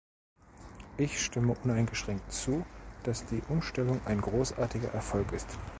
Ich stimme uneingeschränkt zu, dass die Umstellung ein großartiger Erfolg ist.